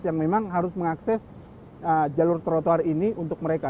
yang memang harus mengakses jalur trotoar ini untuk mereka